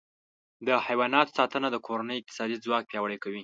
د حیواناتو ساتنه د کورنۍ اقتصادي ځواک پیاوړی کوي.